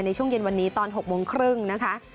ในช่วงเย็นวันนี้ตอน๖โมงครึ่งนะคะ